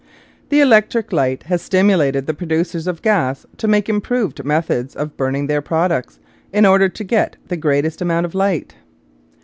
The electric light has stimulated the producers of gas to make improved methods of burning their products in order to get the greatest amount of light.